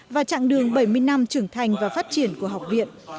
và chặng đường bảy mươi năm trưởng thành và phát triển của học viện